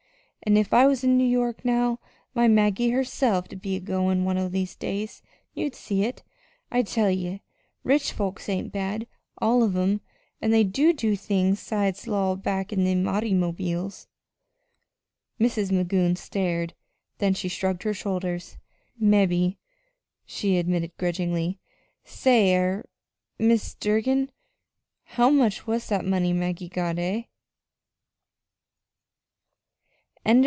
An' if I was in New York now my Maggie herself'd be a goin' one o' these days you'd see! I tell ye, rich folks ain't bad all of 'em, an' they do do things 'sides loll back in them autymobiles!" Mrs. Magoon stared, then she shrugged her shoulders. "Mebbe," she admitted grudgingly. "Say er Mis' Durgin, how much was that money Maggie got eh?"